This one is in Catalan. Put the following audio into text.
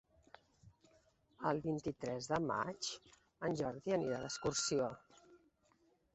El vint-i-tres de maig en Jordi anirà d'excursió.